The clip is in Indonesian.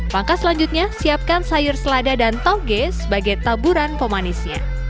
langkah selanjutnya siapkan sayur selada dan tauge sebagai taburan pemanisnya